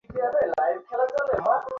প্রায় পঞ্চাশ-ষাট জন লোক খাইত।